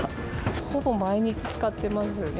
ほぼ毎日使ってますよね。